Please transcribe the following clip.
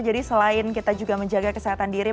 jadi selain kita juga menjaga kesehatan diri